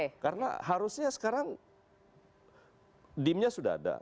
sebenarnya harusnya sekarang dimnya sudah ada